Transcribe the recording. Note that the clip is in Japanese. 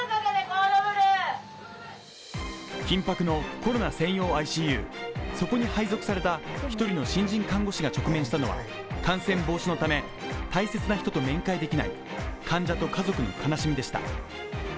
緊迫のコロナ専用ＩＣＵ、そこに配属された１人の新人看護師が直面したのは、感染防止のため、大切な人と面会できない患者と家族の悲しみでした。